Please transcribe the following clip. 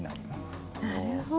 なるほど。